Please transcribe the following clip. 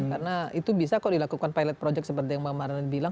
karena itu bisa kok dilakukan pilot project seperti yang mbak mardana bilang